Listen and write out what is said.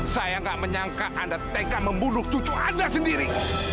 saya nggak menyangka anda teka membunuh cucu anda sendiri